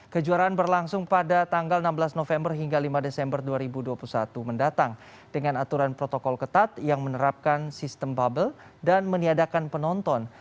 kejuaraan berlangsung pada tanggal enam belas november hingga lima desember dua ribu dua puluh satu mendatang dengan aturan protokol ketat yang menerapkan sistem bubble dan meniadakan penonton